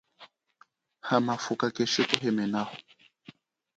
Hamafuka keshikuhehelaho.